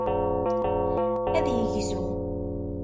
Ad yegzu.